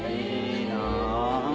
いいなぁ。